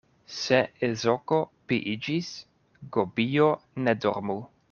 Se ezoko piiĝis, gobio ne dormu.